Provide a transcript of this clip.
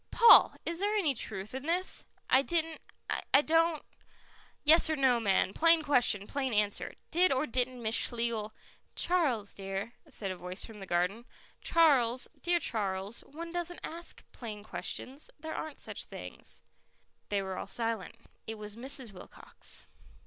"Paul, is there any truth in this?" "I didn't I don't " "Yes or no, man; plain question, plain answer. Did or didn't Miss Schlegel " "Charles dear," said a voice from the garden. "Charles, dear Charles, one doesn't ask plain questions. There aren't such things." They were all silent. It was Mrs. Wilcox.